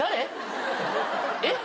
えっ？